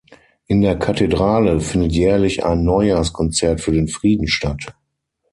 In der Kathedrale findet jährlich ein Neujahrskonzert für den Frieden statt.